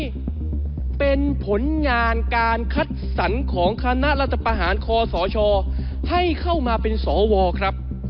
นี่เป็นผลงานการคัดสรรของคณะรัฐประหารคอสชให้เข้ามาเป็นสวครับ